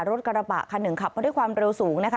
รถกระบะคันหนึ่งขับมาด้วยความเร็วสูงนะคะ